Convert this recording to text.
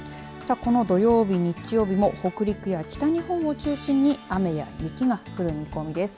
この土曜日、日曜日も北陸や北日本を中心に雨や雪が降る見込みです。